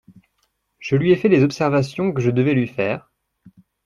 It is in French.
Je lui ai fait les observations que je devais lui faire…